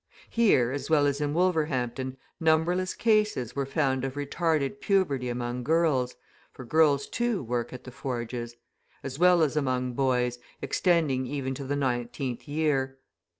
Here, as well as in Wolverhampton, numberless cases were found of retarded puberty among girls, (for girls, too, work at the forges,) as well as among boys, extending even to the nineteenth year.